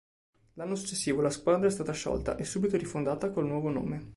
L'anno successivo la squadra è stata sciolta e subito rifondata col nuovo nome.